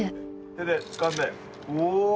手でつかんでうお！